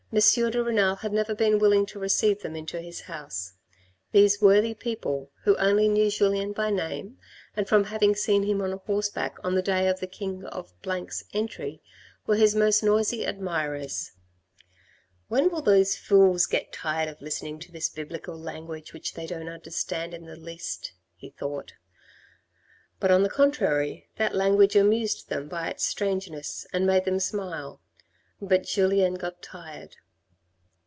de Renal had never been willing to receive them in his house. These worthy people, who only knew Julien by name and from having seen him on horseback on the day of the king of 's entry, were his most noisy admirers. " When will those fools get tired of listening to this Biblical language, which they don't understand in the least," he thought. But, on the contrary, that language amused them by its strangeness and made them smile. But Julien got tired.